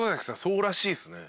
そうらしいっすね。